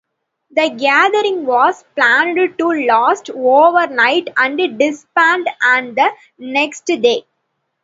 The gathering was planned to last overnight and disband on the next day.